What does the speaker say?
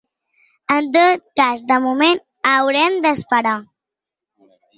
En tot cas, de moment, haurem d’esperar.